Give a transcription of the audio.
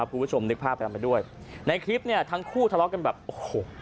คุณผู้ชมนึกภาพตามไปด้วยในคลิปเนี่ยทั้งคู่ทะเลาะกันแบบโอ้โห